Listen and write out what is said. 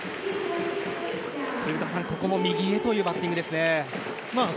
古田さん、ここも右へというバッティングですね。